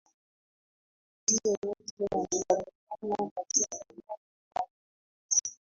ndiyo yote yanapatikana katika pale karibu na